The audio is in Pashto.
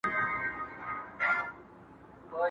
¬ د پيشي چي لا نفس تنگ سي د زمري جنگ کوي.